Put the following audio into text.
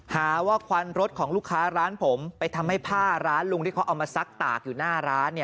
หาว่าควันรถของลูกค้าร้านผมไปทำให้ผ้าร้านลุงที่เขาเอามาซักตากอยู่หน้าร้าน